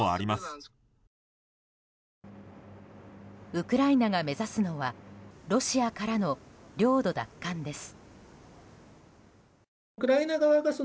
ウクライナが目指すのはロシアからの領土奪還です。